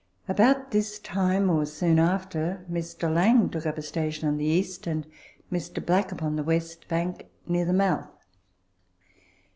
About this time, or soon after, Mr. Lang took up a station oil the east and Mr. Black upon the west bank, near the mouth.